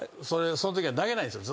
そのときは投げないんですよ。